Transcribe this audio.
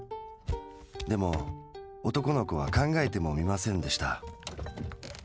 でも男の子は考えてもみませんでした。